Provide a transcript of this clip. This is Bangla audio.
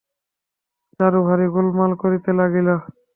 চারু ভারি গোলমাল করিতে লাগিল।